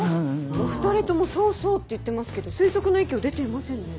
お２人とも「そう」「そう」って言ってますけど推測の域を出ていませんね。